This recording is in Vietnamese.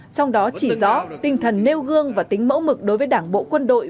trong đó chỉ rõ tinh thần nêu gương và tính mẫu mực đối với đảng bộ quân đội